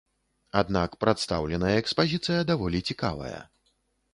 Аднак прадстаўленая экспазіцыя даволі цікавая.